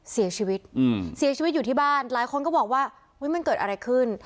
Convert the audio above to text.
เสียชีวิตเสียชีวิตอยู่ที่บ้านหลายคนก็บอกว่ามันเกิดอะไรขึ้น